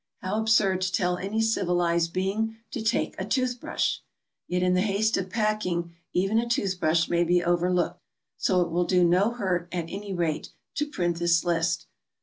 How absurd to tell any civilized being to take a tooth brush! Yet in the haste of packing even a tooth brush may be overlooked. So it will do no hurt, at any rate, to print this list.